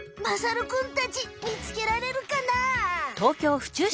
まさるくんたちみつけられるかな？